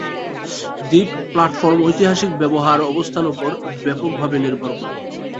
দ্বীপ প্ল্যাটফর্ম ঐতিহাসিক ব্যবহার অবস্থান উপর ব্যাপকভাবে নির্ভর করে।